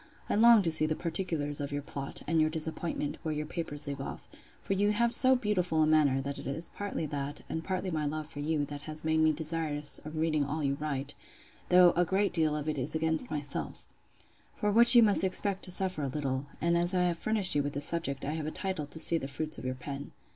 I long to see the particulars of your plot, and your disappointment, where your papers leave off: for you have so beautiful a manner, that it is partly that, and partly my love for you, that has made me desirous of reading all you write; though a great deal of it is against myself; for which you must expect to suffer a little: and as I have furnished you with the subject, I have a title to see the fruits of your pen.